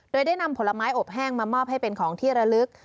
โดยได้นำผลไม้อบแห้งมามอบให้เป็นของที่ระลึก